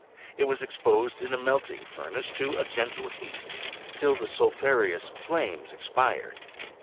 It was exposed in a melting furnace to a gentle heat, till the sulphureous flames expired.